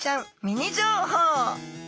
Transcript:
ミニ情報！